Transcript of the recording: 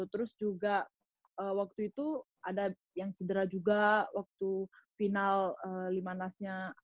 terus juga waktu itu ada yang sederah juga waktu final lima nas nya